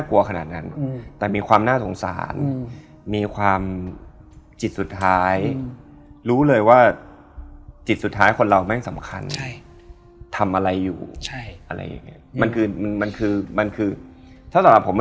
อันนี้คือมีผู้ร่วมชะตากรรม